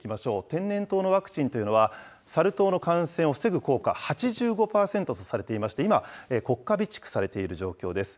天然痘のワクチンというのは、サル痘の感染を防ぐ効果８５％とされていまして、今、国家備蓄されている状況です。